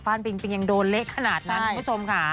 ปิงปิงยังโดนเละขนาดนั้นคุณผู้ชมค่ะ